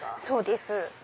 そうです。